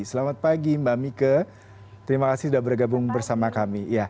selamat pagi mbak mika terima kasih sudah bergabung bersama kami